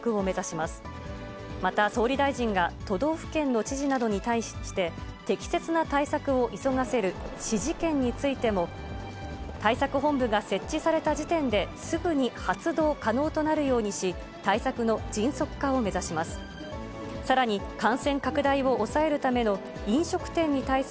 また、総理大臣が都道府県の知事などに対して、適切な対策を急がせる指示権についても、対策本部が設置された時点ですぐに発動可能となるようにし、対策の迅速化を目指します。